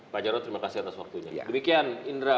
pak jarot terima kasih atas waktunya